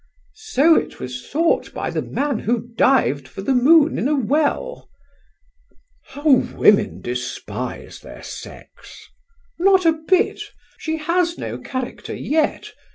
"So it was thought by the man who dived for the moon in a well." "How women despise their sex!" "Not a bit. She has no character yet.